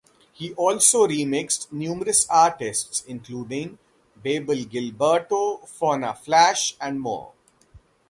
He also remixed numerous artists including Bebel Gilberto, Fauna Flash and more.